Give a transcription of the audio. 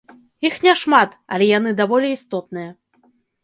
Іх няшмат, але яны даволі істотныя.